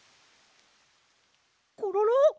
コロロ！